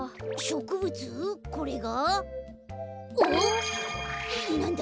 これが？ん！？